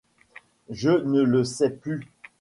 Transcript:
Je ne le sais plus.